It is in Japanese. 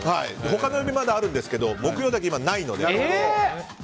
他の曜日はあるんですけど木曜だけ、まだないので。